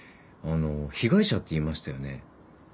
あの被害者って言いましたよね？